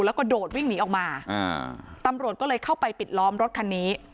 แล้วก็โดดวิ่งหนีออกมาอ่าตำรวจก็เลยเข้าไปปิดล้อมรถคันนี้